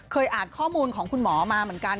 เคยอาจข้อมูลของขุนหมอมาเหมือนกัน